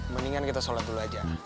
mendingan kita sholat dulu aja